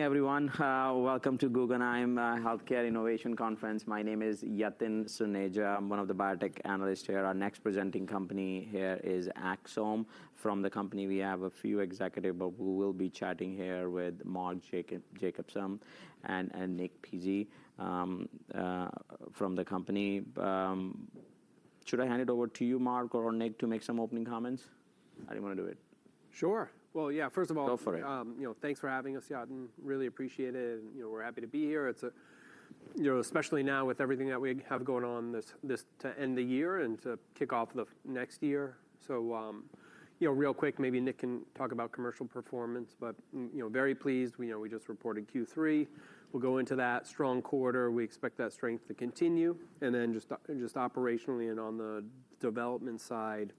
Hey, everyone. Welcome to Guggenheim Healthcare Innovation Conference. My name is Yatin Suneja. I'm one of the biotech analysts here. Our next presenting company here is Axsome. From the company, we have a few executives, but we will be chatting here with Mark Jacobson and Nick Pizzi from the company. Should I hand it over to you, Mark or Nick, to make some opening comments? How do you want to do it? Sure. Well, yeah, first of all. Go for it. Thanks for having us, Yatin. Really appreciate it, and we're happy to be here, especially now with everything that we have going on to end the year and to kick off the next year, so real quick, maybe Nick can talk about commercial performance, but very pleased. We just reported Q3. We'll go into that strong quarter. We expect that strength to continue, and then just operationally and on the development side,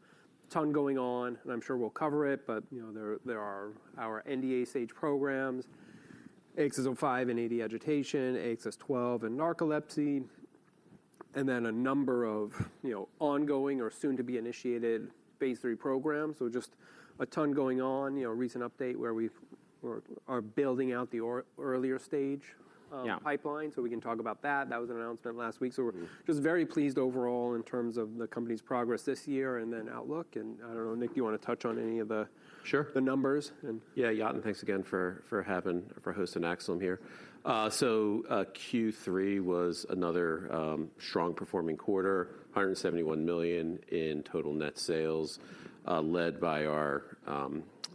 a ton going on. And I'm sure we'll cover it, but there are our NDA stage programs, AXS-05 and AD Agitation, AXS-12 and narcolepsy, and then a number of ongoing or soon-to-be-initiated Phase III programs, so just a ton going on. Recent update where we are building out the earlier stage pipeline, so we can talk about that. That was an announcement last week. So we're just very pleased overall in terms of the company's progress this year and then outlook. And I don't know, Nick, do you want to touch on any of the numbers? Yeah, Yatin, thanks again for having for hosting Axsome here. So Q3 was another strong performing quarter, $171 million in total net sales, led by our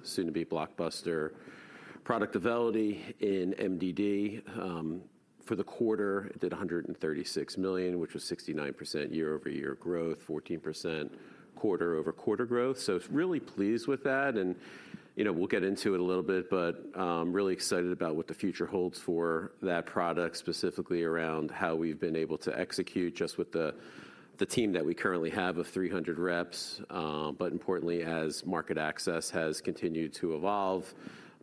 soon-to-be blockbuster product AUVELITY in MDD. For the quarter, it did $136 million, which was 69% year-over-year growth, 14% quarter-over-quarter growth. So really pleased with that. And we'll get into it a little bit, but really excited about what the future holds for that product, specifically around how we've been able to execute just with the team that we currently have of 300 reps. But importantly, as market access has continued to evolve.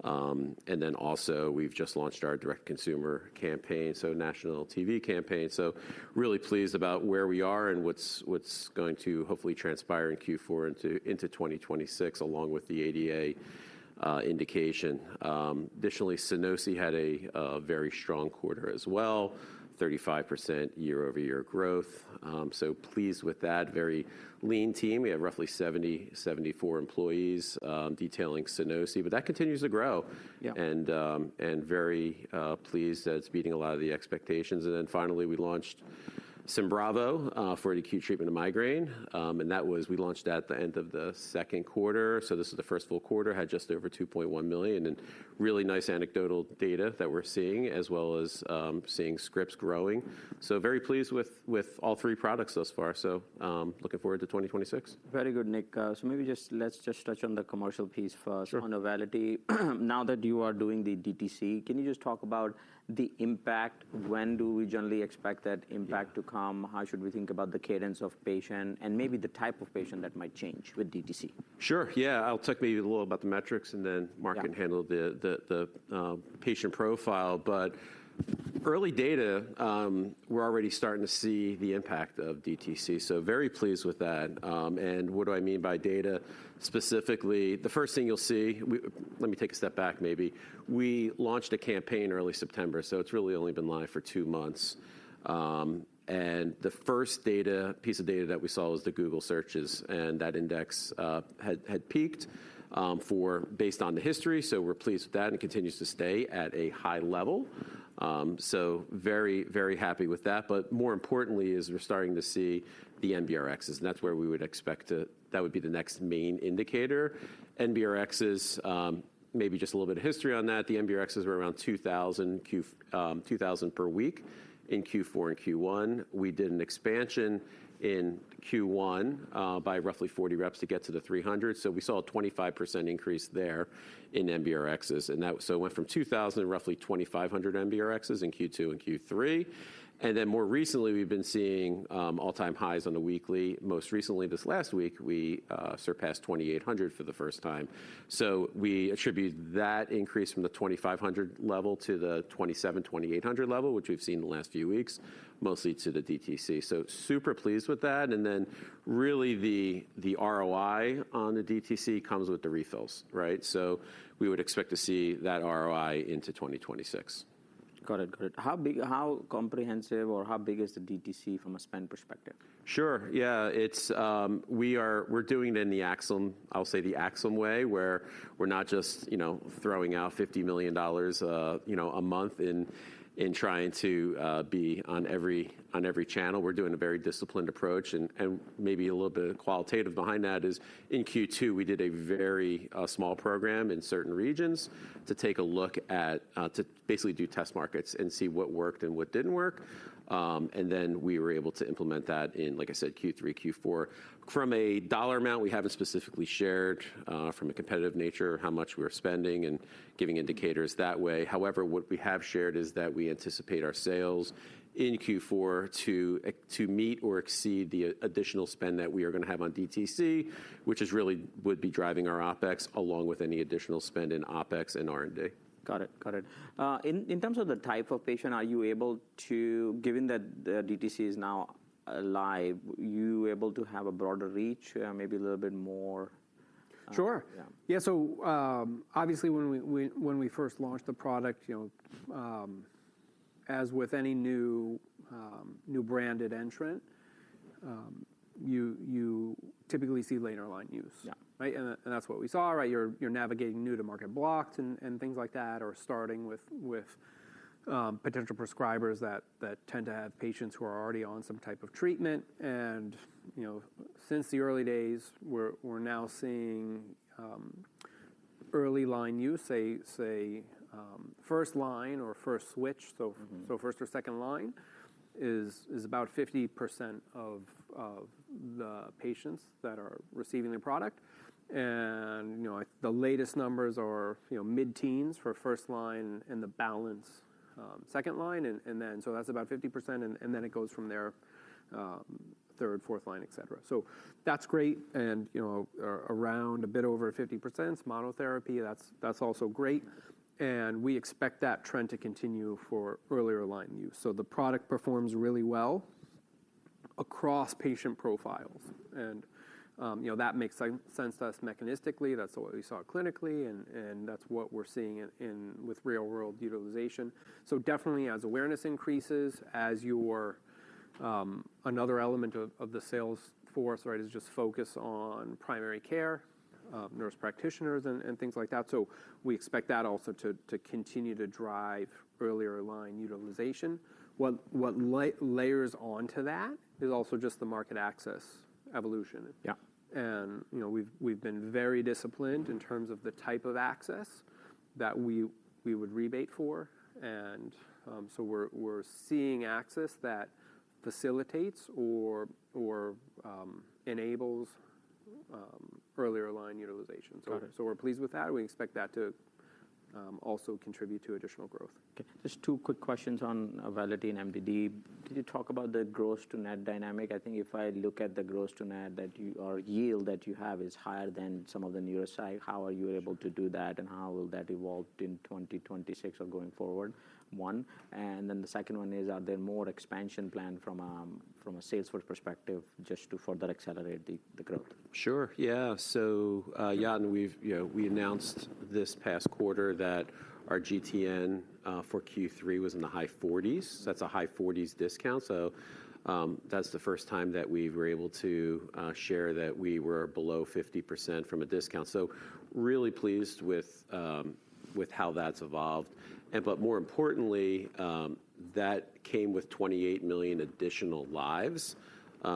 And then also, we've just launched our direct-to-consumer campaign, so national TV campaign. So really pleased about where we are and what's going to hopefully transpire in Q4 into 2026, along with the ADA indication. Additionally, SUNOSI had a very strong quarter as well, 35% year-over-year growth. So pleased with that. Very lean team. We have roughly 70, 74 employees detailing SUNOSI, but that continues to grow. And very pleased that it's meeting a lot of the expectations. And then finally, we launched SYMBRAVO for acute treatment of migraine. And that was we launched that at the end of the second quarter. So this is the first full quarter, had just over $2.1 million. And really nice anecdotal data that we're seeing, as well as seeing scripts growing. So very pleased with all three products thus far. So looking forward to 2026. Very good, Nick. So maybe just let's just touch on the commercial piece first on AUVELITY. Now that you are doing the DTC, can you just talk about the impact? When do we generally expect that impact to come? How should we think about the cadence of patient and maybe the type of patient that might change with DTC? Sure. Yeah, I'll talk maybe a little about the metrics, and then Mark can handle the patient profile, but early data, we're already starting to see the impact of DTC, so very pleased with that, and what do I mean by data? Specifically, the first thing you'll see, let me take a step back, maybe. We launched a campaign early September, so it's really only been live for two months, and the first piece of data that we saw was the Google searches, and that index had peaked based on the history, so we're pleased with that and continues to stay at a high level, so very, very happy with that, but more importantly, as we're starting to see the NBRXs, and that's where we would expect that would be the next main indicator. NBRXs, maybe just a little bit of history on that. The NBRXs were around 2,000 per week in Q4 and Q1. We did an expansion in Q1 by roughly 40 reps to get to the 300, so we saw a 25% increase there in NBRXs, and so it went from 2,000 to roughly 2,500 NBRXs in Q2 and Q3, and then more recently, we've been seeing all-time highs on the weekly. Most recently, this last week, we surpassed 2,800 for the first time, so we attribute that increase from the 2,500 level to the 2,700, 2,800 level, which we've seen in the last few weeks, mostly to the DTC, so super pleased with that, and then really the ROI on the DTC comes with the refills, right? So we would expect to see that ROI into 2026. Got it. Got it. How comprehensive or how big is the DTC from a spend perspective? Sure. Yeah, we're doing it in the Axsome way, where we're not just throwing out $50 million a month in trying to be on every channel. We're doing a very disciplined approach, and maybe a little bit qualitative behind that is in Q2, we did a very small program in certain regions to take a look at, to basically do test markets and see what worked and what didn't work, and then we were able to implement that in, like I said, Q3, Q4. From a dollar amount, we haven't specifically shared from a competitive nature how much we're spending and giving indicators that way. However, what we have shared is that we anticipate our sales in Q4 to meet or exceed the additional spend that we are going to have on DTC, which is really what would be driving our OpEx, along with any additional spend in OpEx and R&D. Got it. Got it. In terms of the type of patient, are you able to, given that the DTC is now live, are you able to have a broader reach, maybe a little bit more? Sure. Yeah. So obviously, when we first launched the product, as with any new branded entrant, you typically see later line use, and that's what we saw, right? You're navigating new-to-market blocks and things like that, or starting with potential prescribers that tend to have patients who are already on some type of treatment, and since the early days, we're now seeing early line use, say, first line or first switch, so first or second line, is about 50% of the patients that are receiving the product. And the latest numbers are mid-teens for first line and the balance second line, and then so that's about 50%. And then it goes from there third, fourth line, et cetera. So that's great, and around a bit over 50%, monotherapy, that's also great, and we expect that trend to continue for earlier line use. So the product performs really well across patient profiles. And that makes sense to us mechanistically. That's what we saw clinically. And that's what we're seeing with real-world utilization. So definitely, as awareness increases, as another element of the sales force, right, is just focus on primary care, nurse practitioners, and things like that. So we expect that also to continue to drive earlier line utilization. What layers onto that is also just the market access evolution. And we've been very disciplined in terms of the type of access that we would rebate for. And so we're seeing access that facilitates or enables earlier line utilization. So we're pleased with that. We expect that to also contribute to additional growth. Just two quick questions on AUVELITY and MDD. Did you talk about the gross-to-net dynamic? I think if I look at the gross-to-net that AUVELITY has is higher than some of the nearest comps, how are you able to do that? And how will that evolve in 2026 or going forward? One. And then the second one is, are there more expansion plans from a sales force perspective just to further accelerate the growth? Sure. Yeah. So Yatin, we announced this past quarter that our GTN for Q3 was in the high 40s. That's a high 40s discount. So that's the first time that we were able to share that we were below 50% from a discount. So really pleased with how that's evolved. But more importantly, that came with 28 million additional lives.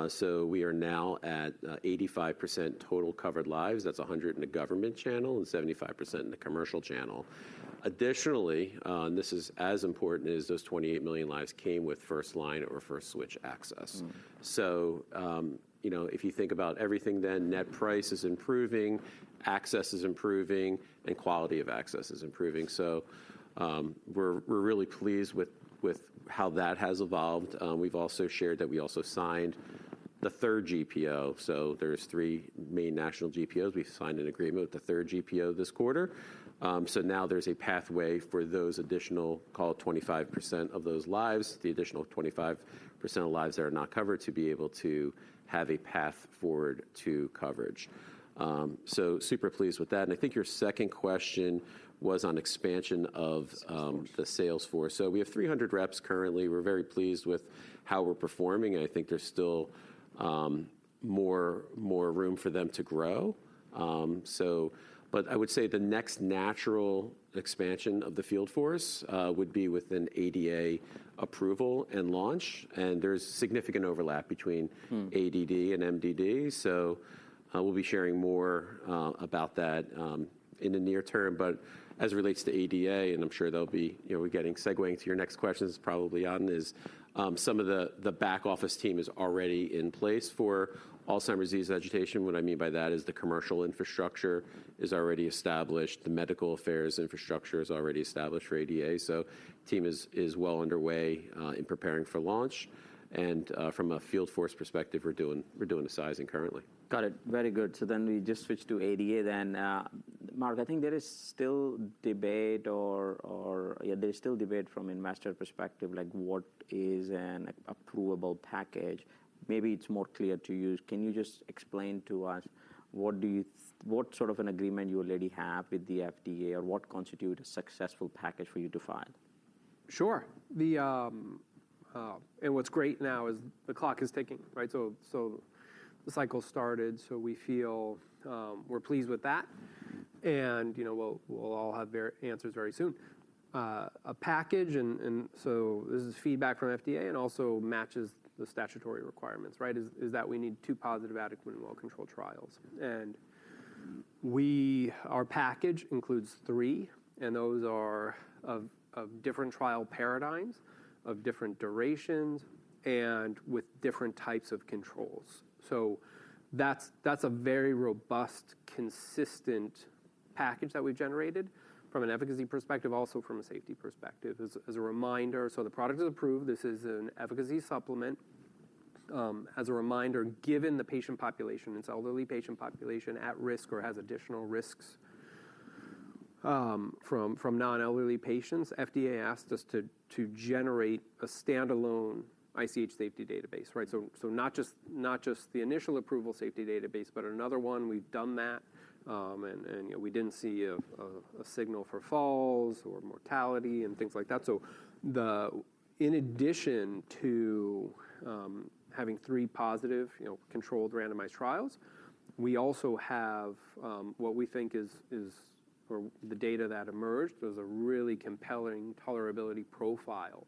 So we are now at 85% total covered lives. That's 100% in the government channel and 75% in the commercial channel. Additionally, and this is as important as those 28 million lives came with first line or first switch access. So if you think about everything then, net price is improving, access is improving, and quality of access is improving. So we're really pleased with how that has evolved. We've also shared that we also signed the third GPO. So there's three main national GPOs. We signed an agreement with the third GPO this quarter, so now there's a pathway for those additional, call it 25% of those lives, the additional 25% of lives that are not covered, to be able to have a path forward to coverage, so super pleased with that, and I think your second question was on expansion of the sales force, so we have 300 reps currently. We're very pleased with how we're performing, and I think there's still more room for them to grow, but I would say the next natural expansion of the field force would be with an ADA approval and launch, and there's significant overlap between ADA and MDD, so we'll be sharing more about that in the near term. But as it relates to ADA, and I'm sure we're getting segueing to your next questions, probably, Yatin, is some of the back office team is already in place for Alzheimer's Disease Agitation. What I mean by that is the commercial infrastructure is already established. The medical affairs infrastructure is already established for ADA. So the team is well underway in preparing for launch. And from a field force perspective, we're doing the sizing currently. Got it. Very good. So then we just switch to ADA then. Mark, I think there is still debate from an investor perspective, like what is an approvable package. Maybe it's more clear to you. Can you just explain to us what sort of an agreement you already have with the FDA or what constitutes a successful package for you to file? Sure. And what's great now is the clock is ticking, right? So the cycle started. So we feel we're pleased with that. And we'll all have answers very soon. A package, and so this is feedback from FDA and also matches the statutory requirements, right, is that we need two positive, adequate, and well-controlled trials. And our package includes three. And those are of different trial paradigms, of different durations, and with different types of controls. So that's a very robust, consistent package that we've generated from an efficacy perspective, also from a safety perspective. As a reminder, so the product is approved. This is an efficacy supplement. As a reminder, given the patient population, it's elderly patient population at risk or has additional risks from non-elderly patients. FDA asked us to generate a standalone ICH safety database, right? So not just the initial approval safety database, but another one. We've done that, and we didn't see a signal for falls or mortality and things like that, so in addition to having three positive, controlled, randomized trials, we also have what we think is the data that emerged. There's a really compelling tolerability profile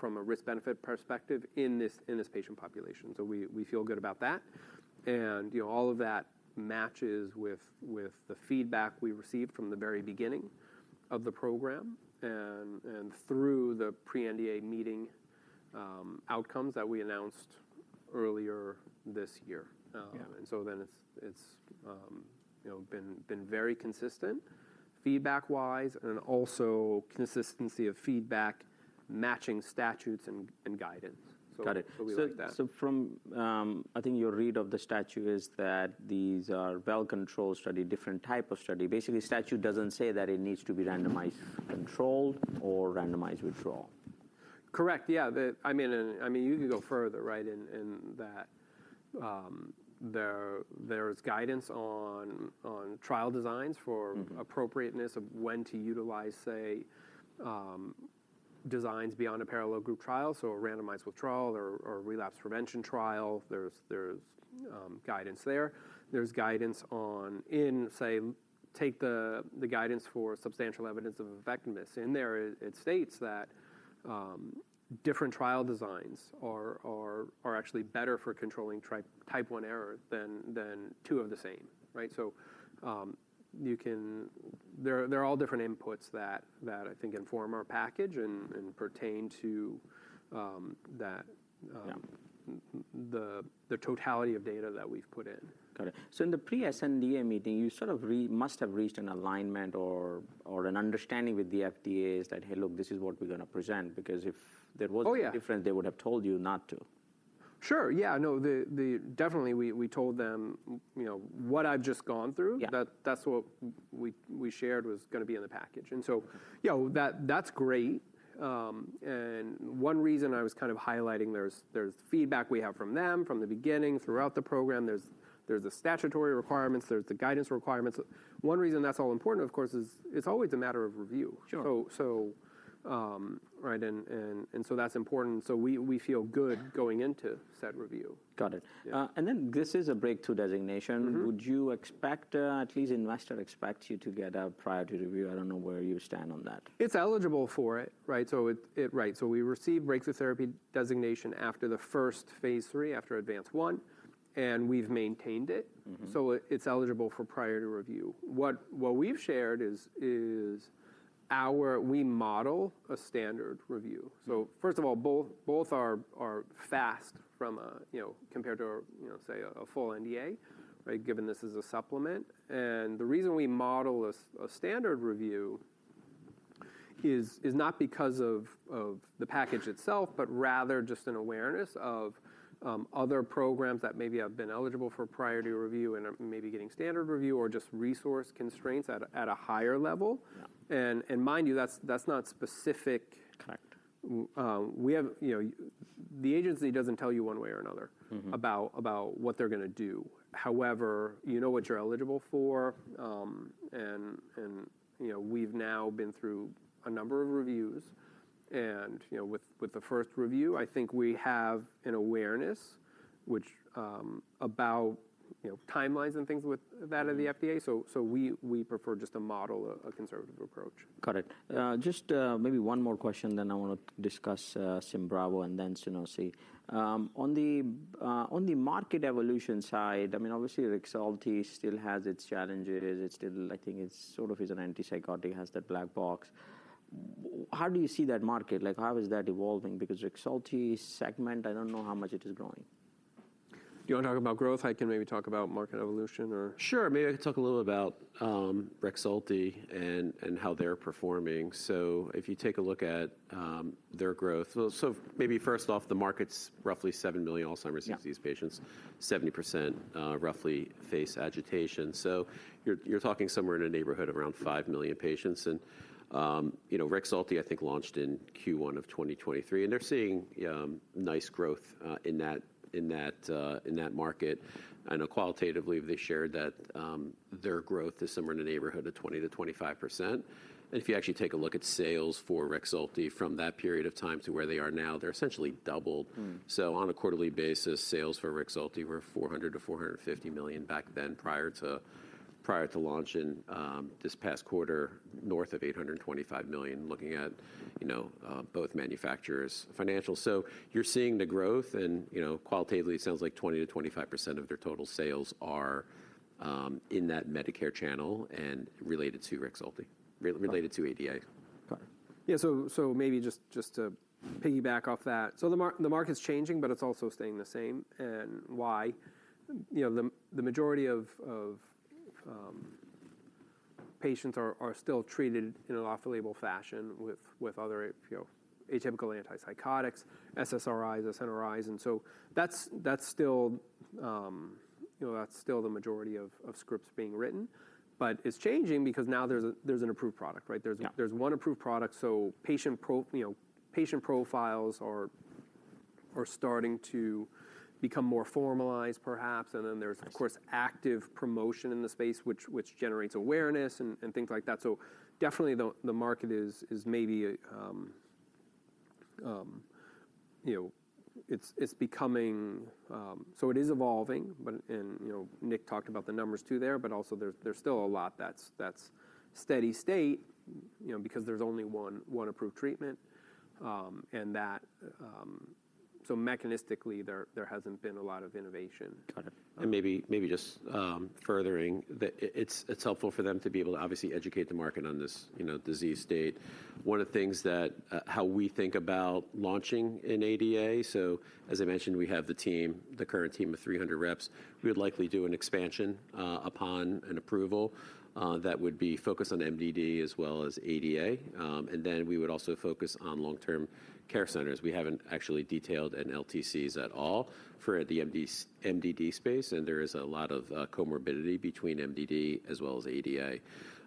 from a risk-benefit perspective in this patient population, so we feel good about that, and all of that matches with the feedback we received from the very beginning of the program and through the pre-NDA meeting outcomes that we announced earlier this year, and so then it's been very consistent feedback-wise and also consistency of feedback matching statutes and guidance, so we like that. So I think your read of the statute is that these are well-controlled studies, different type of study. Basically, the statute doesn't say that it needs to be randomized control or randomized withdrawal. Correct. Yeah. I mean, you could go further, right, in that there is guidance on trial designs for appropriateness of when to utilize, say, designs beyond a parallel group trial, so a randomized withdrawal or relapse prevention trial. There's guidance there. There's guidance on, say, take the guidance for substantial evidence of effectiveness. In there, it states that different trial designs are actually better for controlling type one error than two of the same, right? So there are all different inputs that I think inform our package and pertain to the totality of data that we've put in. Got it. So in the pre-sNDA meeting, you sort of must have reached an alignment or an understanding with the FDA that, hey, look, this is what we're going to present. Because if there was a difference, they would have told you not to. Sure. Yeah. No, definitely, we told them what I've just gone through. That's what we shared was going to be in the package, and so yeah, that's great, and one reason I was kind of highlighting, there's feedback we have from them from the beginning throughout the program. There's the statutory requirements. There's the guidance requirements. One reason that's all important, of course, is it's always a matter of review, and so that's important, so we feel good going into said review. Got it. And then this is a breakthrough designation. Would you expect, at least investors expect you to get priority review? I don't know where you stand on that. It's eligible for it, right? So we received breakthrough therapy designation after the first Phase III, after ADVANCE-1. And we've maintained it. So it's eligible for priority review. What we've shared is we model a standard review. So first of all, both are fast compared to, say, a full NDA, right, given this is a supplement. And the reason we model a standard review is not because of the package itself, but rather just an awareness of other programs that maybe have been eligible for priority review and are maybe getting standard review or just resource constraints at a higher level. And mind you, that's not specific. The agency doesn't tell you one way or another about what they're going to do. However, you know what you're eligible for. And we've now been through a number of reviews. With the first review, I think we have an awareness about timelines and things with that of the FDA. We prefer just to model a conservative approach. Got it. Just maybe one more question, then I want to discuss SYMBRAVO and then SUNOSI. On the market evolution side, I mean, obviously, Rexulti still has its challenges. I think it sort of is an antipsychotic, has that black box. How do you see that market? How is that evolving? Because Rexulti segment, I don't know how much it is growing. Do you want to talk about growth? I can maybe talk about market evolution or. Sure. Maybe I could talk a little about Rexulti and how they're performing, so if you take a look at their growth, so maybe first off, the market's roughly 7 million Alzheimer's Disease patients. 70% roughly face Agitation. So you're talking somewhere in a neighborhood of around 5 million patients, and Rexulti, I think, launched in Q1 of 2023. And they're seeing nice growth in that market. I know qualitatively, they shared that their growth is somewhere in the neighborhood of 20%-25%. And if you actually take a look at sales for Rexulti from that period of time to where they are now, they're essentially doubled. So on a quarterly basis, sales for Rexulti were $400-$450 million back then prior to launching this past quarter, north of $825 million, looking at both manufacturers' financials. So you're seeing the growth. And qualitatively, it sounds like 20%-25% of their total sales are in that Medicare channel and related to Rexulti, related to ADA. Yeah. So maybe just to piggyback off that, so the market's changing, but it's also staying the same. And why? The majority of patients are still treated in an off-label fashion with other atypical antipsychotics, SSRIs, SNRIs. And so that's still the majority of scripts being written. But it's changing because now there's an approved product, right? There's one approved product. So patient profiles are starting to become more formalized, perhaps. And then there's, of course, active promotion in the space, which generates awareness and things like that. So definitely, the market is maybe it's becoming so it is evolving. And Nick talked about the numbers too there. But also, there's still a lot that's steady state because there's only one approved treatment. And so mechanistically, there hasn't been a lot of innovation. Got it. And maybe just furthering, it's helpful for them to be able to obviously educate the market on this disease state. One of the things that how we think about launching an ADA, so as I mentioned, we have the current team of 300 reps. We would likely do an expansion upon an approval that would be focused on MDD as well as ADA. And then we would also focus on long-term care centers. We haven't actually detailed LTCs at all for the MDD space. And there is a lot of comorbidity between MDD as well as ADA.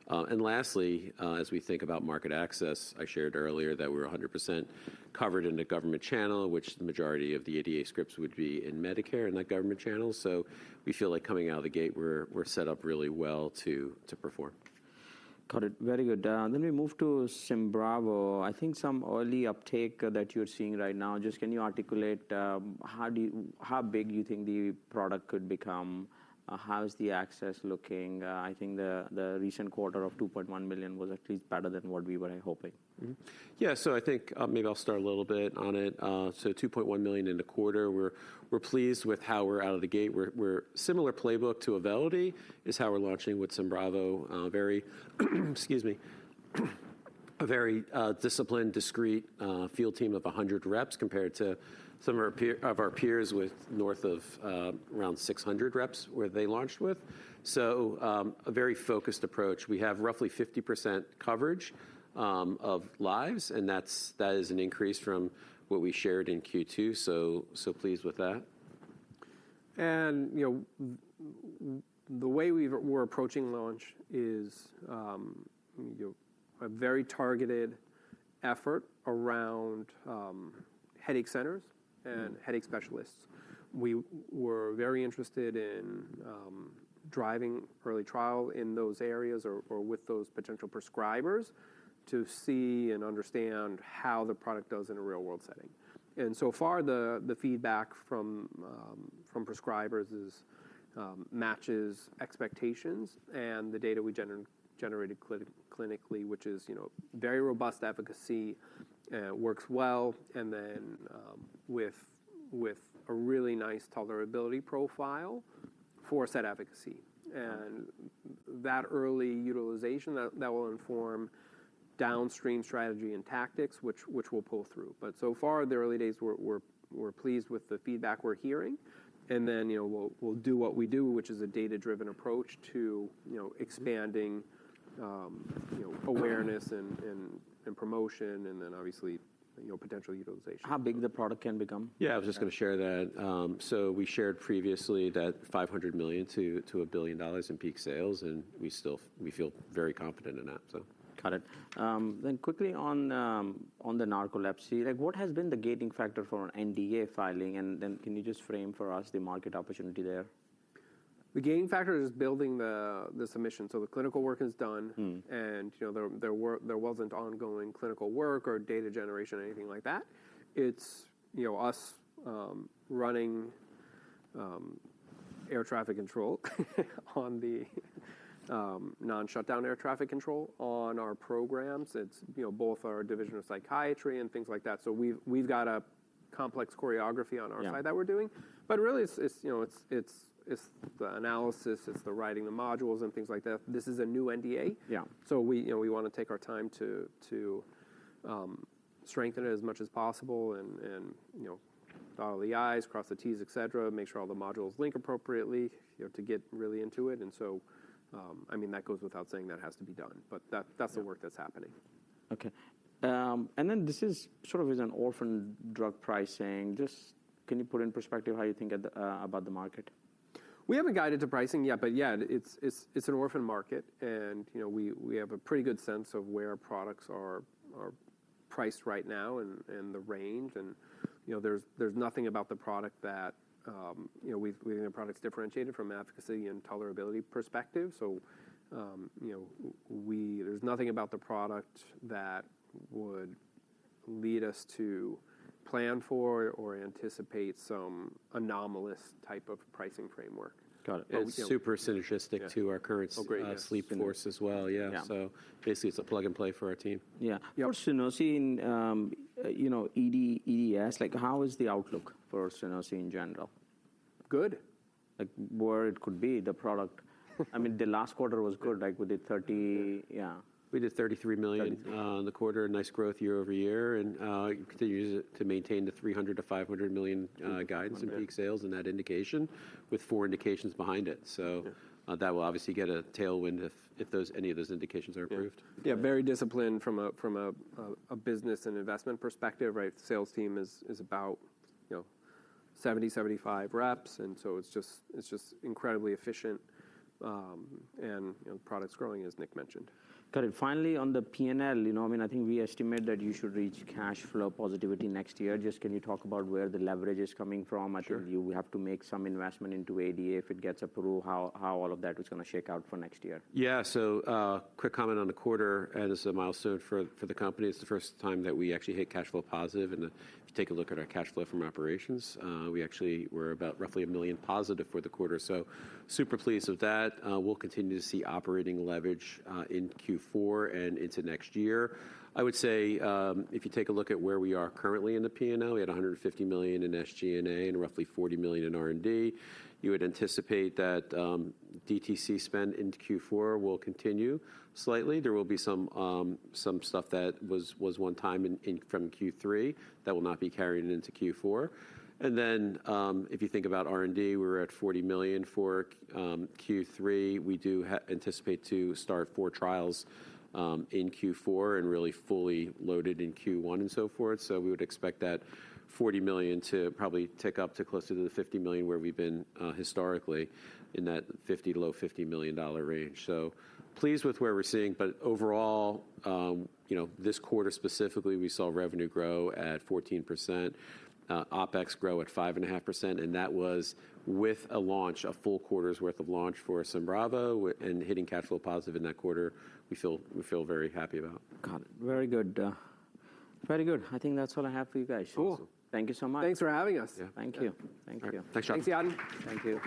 And lastly, as we think about market access, I shared earlier that we were 100% covered in the government channel, which the majority of the ADA scripts would be in Medicare in that government channel. So we feel like coming out of the gate, we're set up really well to perform. Got it. Very good. Then we move to Elyxyb. I think some early uptake that you're seeing right now, just can you articulate how big you think the product could become? How is the access looking? I think the recent quarter of $2.1 million was at least better than what we were hoping. Yeah. So I think maybe I'll start a little bit on it. So $2.1 million in the quarter. We're pleased with how we're out of the gate. Similar playbook to AUVELITY is how we're launching with SYMBRAVO. Excuse me. A very disciplined, discreet field team of 100 reps compared to some of our peers with north of around 600 reps where they launched with. So a very focused approach. We have roughly 50% coverage of lives. And that is an increase from what we shared in Q2. So pleased with that. And the way we're approaching launch is a very targeted effort around headache centers and headache specialists. We were very interested in driving early trial in those areas or with those potential prescribers to see and understand how the product does in a real-world setting. And so far, the feedback from prescribers matches expectations. And the data we generated clinically, which is very robust efficacy, works well. And then with a really nice tolerability profile for said efficacy. And that early utilization, that will inform downstream strategy and tactics, which will pull through. But so far, the early days, we're pleased with the feedback we're hearing. And then we'll do what we do, which is a data-driven approach to expanding awareness and promotion and then obviously potential utilization. How big the product can become? Yeah. I was just going to share that. So we shared previously that $500 million-$1 billion in peak sales. And we feel very confident in that, so. Got it. Then quickly on the narcolepsy, what has been the gating factor for an NDA filing? And then can you just frame for us the market opportunity there? The gating factor is building the submission, so the clinical work is done, and there wasn't ongoing clinical work or data generation, anything like that. It's us running air traffic control on the non-shutdown air traffic control on our programs. It's both our division of psychiatry and things like that, so we've got a complex choreography on our side that we're doing, but really, it's the analysis. It's the writing the modules and things like that. This is a new NDA, so we want to take our time to strengthen it as much as possible and dot all the i's, cross the t's, et cetera, make sure all the modules link appropriately to get really into it, and so I mean, that goes without saying that has to be done, but that's the work that's happening. Okay and then this sort of is an orphan drug pricing. Just can you put in perspective how you think about the market? We haven't guided to pricing yet. But yeah, it's an orphan market. And we have a pretty good sense of where products are priced right now and the range. And there's nothing about the product that we think the product's differentiated in efficacy and tolerability perspective. So there's nothing about the product that would lead us to plan for or anticipate some anomalous type of pricing framework. Got it. It's super synergistic to our current sales force as well. Yeah. So basically, it's a plug and play for our team. Yeah. For SUNOSI, EDS, how is the outlook for SUNOSI in general? Good. Where it could be the product? I mean, the last quarter was good. We did 30, yeah. We did $33 million in the quarter. Nice growth year over year and continue to maintain the $300 million-$500 million guidance in peak sales and that indication with four indications behind it, so that will obviously get a tailwind if any of those indications are approved. Yeah. Very disciplined from a business and investment perspective, right? Sales team is about 70-75 reps. And so it's just incredibly efficient. And the product's growing, as Nick mentioned. Got it. Finally, on the P&L, I mean, I think we estimate that you should reach cash flow positivity next year. Just can you talk about where the leverage is coming from? I think you have to make some investment into ADA if it gets approved, how all of that is going to shake out for next year. Yeah. So quick comment on the quarter. And it's a milestone for the company. It's the first time that we actually hit cash flow positive. And if you take a look at our cash flow from operations, we actually were about roughly $1 million positive for the quarter. So super pleased with that. We'll continue to see operating leverage in Q4 and into next year. I would say if you take a look at where we are currently in the P&L, we had $150 million in SG&A and roughly $40 million in R&D. You would anticipate that DTC spend in Q4 will continue slightly. There will be some stuff that was one time from Q3 that will not be carried into Q4. And then if you think about R&D, we were at $40 million for Q3. We do anticipate to start four trials in Q4 and really fully loaded in Q1 and so forth. So we would expect that $40 million to probably tick up to closer to the $50 million where we've been historically in that $50 million to low $50 million range. So pleased with where we're seeing. But overall, this quarter specifically, we saw revenue grow at 14%. OpEx grow at 5.5%. And that was with a launch, a full quarter's worth of launch for Elyxyb and hitting cash flow positive in that quarter. We feel very happy about. Got it. Very good. Very good. I think that's all I have for you guys. Cool. Thank you so much. Thanks for having us. Yeah. Thank you. Thanks, Yatin. Thank you.